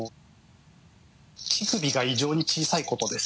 乳首が異常に小さいことです。